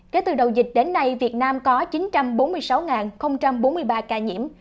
kể từ đầu dịch đến nay việt nam có chín trăm bốn mươi sáu bốn mươi ba ca nhiễm